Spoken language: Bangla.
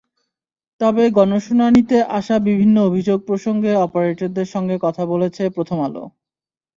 তবে গণশুনানিতে আসা বিভিন্ন অভিযোগ প্রসঙ্গে অপারেটরদের সঙ্গে কথা বলেছে প্রথম আলো।